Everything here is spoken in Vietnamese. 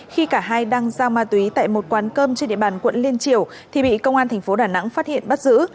khi cả hai đang giao ma tí tại một quán cơm trên địa bàn quận liên triều thì bị công an tp đà nẵng phát hiện bắt giữ